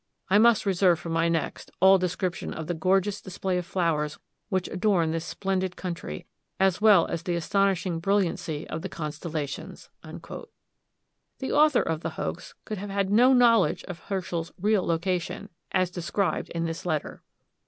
I must reserve for my next all description of the gorgeous display of flowers which adorn this splendid country, as well as the astonishing brilliancy of the constellations." The author of the hoax could have had no knowledge of Herschers real location, as described in this letter.